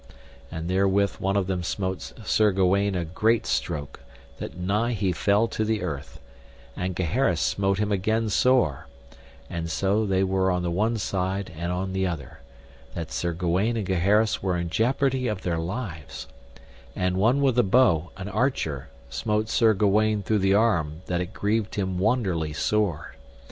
And therewith one of them smote Sir Gawaine a great stroke that nigh he fell to the earth, and Gaheris smote him again sore, and so they were on the one side and on the other, that Sir Gawaine and Gaheris were in jeopardy of their lives; and one with a bow, an archer, smote Sir Gawaine through the arm that it grieved him wonderly sore.